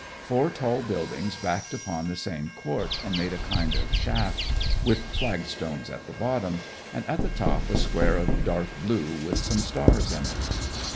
Four tall buildings backed upon the same court and made a kind of shaft, with flagstones at the bottom, and at the top a square of dark blue with some stars in it.